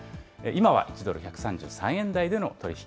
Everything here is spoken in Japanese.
今は１ドル１３３円台での取り引